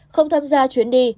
không tham gia chuyến đi